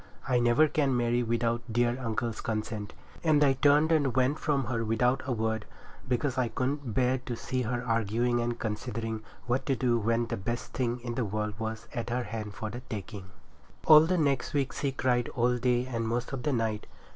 I never can marry without dear uncle's consent,' and I turned and went from her without a word, because I couldn't bear to see her arguing and considering what to do, when the best thing in the world was to her hand for the taking. All the next week she cried all day and most of the night.